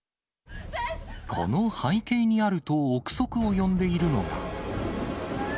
この背景にあると臆測を呼んでいるのが。